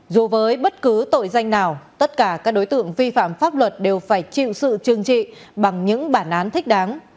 dù với bất cứ tội danh nào tất cả các đối tượng vi phạm pháp luật đều phải chịu sự trừng trị bằng những bản án thích đáng